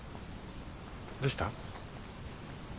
どうした？